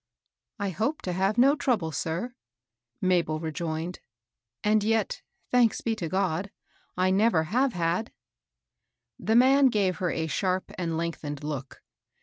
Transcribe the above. " I hope to have no trouble, sir," Mabel re joined. " As yet, — thanks be to God !— I never have had." The man gave her a sharp and lengthened look.